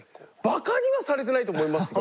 バカにはされてないと思いますよ。